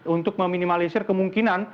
untuk meminimalisir kemungkinan